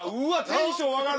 テンション上がる！